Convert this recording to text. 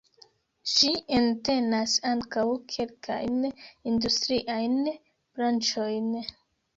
Ĝi entenas ankaŭ kelkajn industriajn branĉojn.